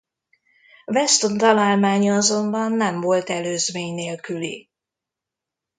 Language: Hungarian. Weston találmánya azonban nem volt előzmény nélküli.